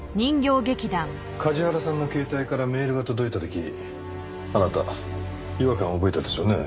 梶原さんの携帯からメールが届いた時あなた違和感を覚えたでしょうね。